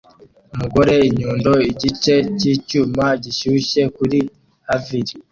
Umugore inyundo igice cyicyuma gishyushye kuri anvil